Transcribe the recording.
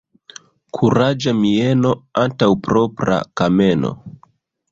Kuraĝa mieno antaŭ propra kameno.